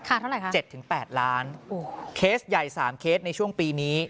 ค่ะเท่าไหร่ค่ะ๗๘ล้านเคสใหญ่๓เคสในช่วงปีนี้